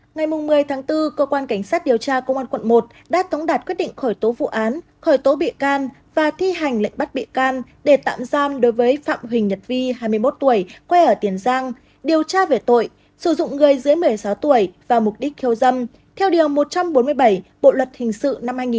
ngày một mươi tháng bốn cơ quan cảnh sát điều tra công an quận một đã tống đạt quyết định khởi tố vụ án khởi tố bị can và thi hành lệnh bắt bị can để tạm giam đối với phạm huỳnh nhật vi hai mươi một tuổi quê ở tiền giang điều tra về tội sử dụng người dưới một mươi sáu tuổi vào mục đích khiêu dâm theo điều một trăm bốn mươi bảy bộ luật hình sự năm hai nghìn một mươi năm